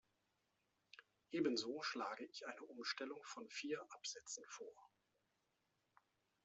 Ebenso schlage ich eine Umstellung von vier Absätzen vor.